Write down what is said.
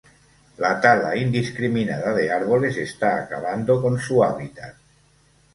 La tala indiscriminada de árboles está acabando con su hábitat.